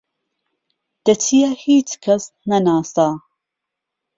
دەچیە هیچکەس نەناسە